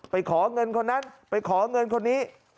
ขอเงินคนนั้นไปขอเงินคนนี้